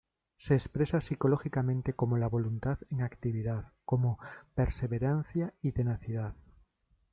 Se expresa psicológicamente como la voluntad en actividad, como perseverancia y tenacidad.